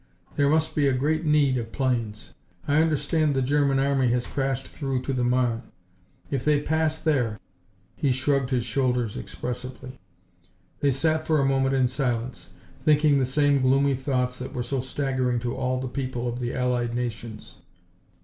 There must be a great need of planes. I understand the German Army has crashed through to the Marne. If they pass there " he shrugged his shoulders expressively. They sat for a moment in silence, thinking the same gloomy thoughts that were so staggering to all the people of the allied nations.